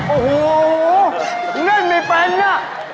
โอ้โฮนั่นมีเพ้นน่ะ